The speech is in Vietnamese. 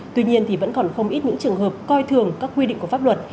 tuy nhiên thì vẫn còn không ít những trường hợp coi thường các quy định của pháp luật